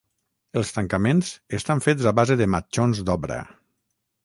Els tancaments estan fets a base de matxons d'obra.